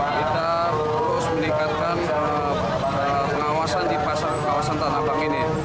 kita terus meningkatkan pengawasan di kawasan tanah abang ini